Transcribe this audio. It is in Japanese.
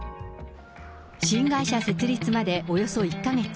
新会社設立までおよそ１か月。